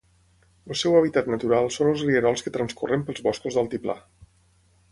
El seu hàbitat natural són els rierols que transcorren pels boscos d'altiplà.